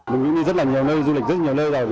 mình đi rất là nhiều nơi du lịch rất nhiều nơi rồi